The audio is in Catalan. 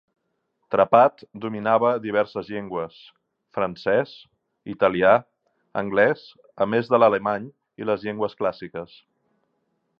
Trepat dominava diverses llengües: francès, italià, anglès, a més de l'alemany i les llengües clàssiques.